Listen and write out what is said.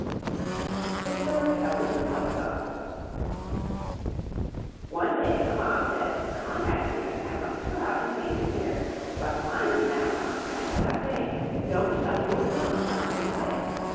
The Story of Little Suck a Thumb One day Mamma said "Conrad dear, I must go out and leave you here. But mind now, Conrad, what I say, Don't suck your thumb while I'm away.